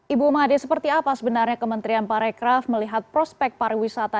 ibu mada seperti apa sebenarnya kementerian pak rekraf melihat prospek pariwisata